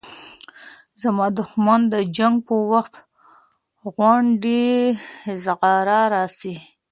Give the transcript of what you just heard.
زما دښمن د جنګ په وخت واغوندي زغره راسي